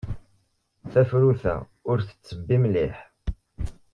Tafrut-a ur tettebbi mliḥ.